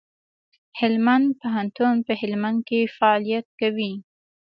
هلمند پوهنتون په هلمند کي فعالیت کوي.